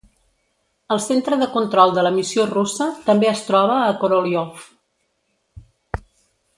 El centre de control de la missió russa també es troba a Korolyov.